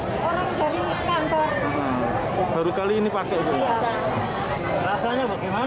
sebelumnya pedagang pasar tidak pernah membuat alat young wajah hanya memakai masker